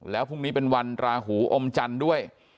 แล้วพรุ่งนี้เป็นวันราหูอมจันทร์ด้วย